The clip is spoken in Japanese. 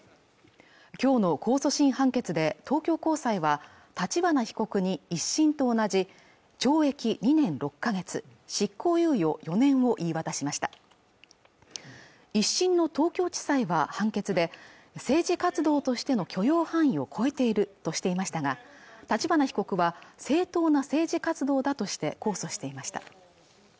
今日の控訴審判決で東京高裁は立花被告に一審と同じ懲役２年６か月執行猶予４年を言い渡しました一審の東京地裁は判決で政治活動としての許容範囲を超えているとしていましたが立花被告は正当な政治活動だとして控訴していました